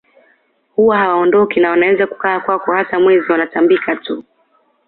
Huwa hawaondoki na wanaweza kukaa kwako hata mwezi wanatambika tu